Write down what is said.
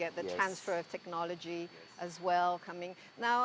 anda mendapatkan teknologi transfer juga